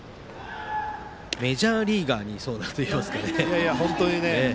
メジャーリーガーにいそうなといいますかね。